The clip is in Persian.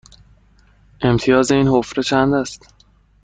امتیاز این حفره چند است؟